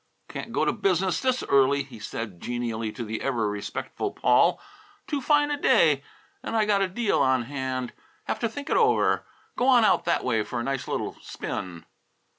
"Can't go to business this early," he said genially to the ever respectful Paul. "Too fine a day. And I got a deal on hand; have to think it over. Go on out that way for a nice little spin."